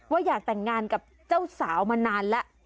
อยากแต่งงานกับเจ้าสาวมานานแล้ว